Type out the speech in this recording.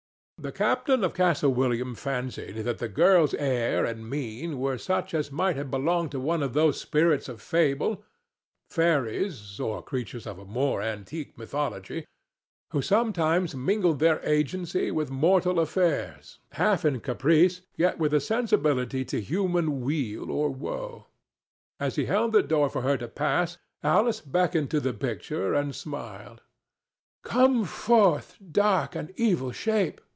The captain of Castle William fancied that the girl's air and mien were such as might have belonged to one of those spirits of fable—fairies or creatures of a more antique mythology—who sometimes mingled their agency with mortal affairs, half in caprice, yet with a sensibility to human weal or woe. As he held the door for her to pass Alice beckoned to the picture and smiled. "Come forth, dark and evil shape!"